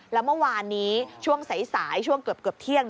แล้วเมื่อวานนี้ช่วงสายช่วงเกือบเที่ยง